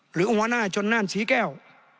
หรืออุณหวะน่าจนนั่นสีแก้ว